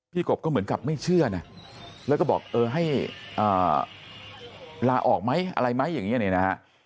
กบก็เหมือนกับไม่เชื่อนะแล้วก็บอกเออให้ลาออกไหมอะไรไหมอย่างนี้เนี่ยนะฮะ